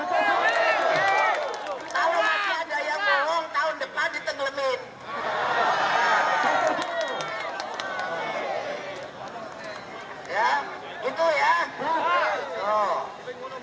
kalau masih ada yang bohong tahun depan ditengelemin